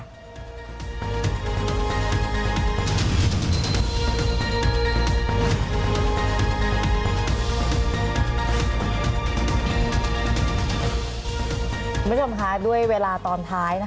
คุณผู้ชมคะด้วยเวลาตอนท้ายนะคะ